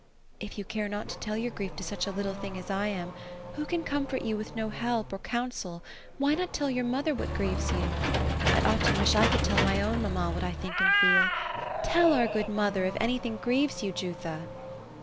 " If you care not to tell your grief to such a little thing as I am, who can comfort you with no help, or council, why not tell your mother what grieves you? I often wish I could tell my own mamma what I think and feel. Tell our good mother, if any thing grieves you, Jutha."